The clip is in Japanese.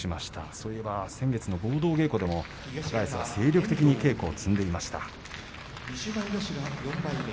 そういえば先月の合同稽古でも高安は精力的に稽古を積んでいました。